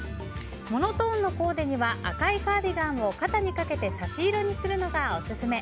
モノトーンのコーデには赤いカーディガンを肩にかけて差し色にするのがオススメ。